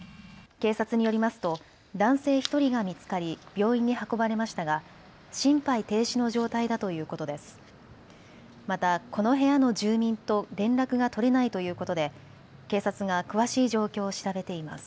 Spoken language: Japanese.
警察によりますと男性１人が見つかり、病院に運ばれましたが心肺停止の状態だということです。